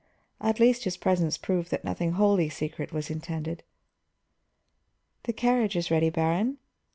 At least his presence proved that nothing wholly secret was intended. "The carriage is ready, Baron?"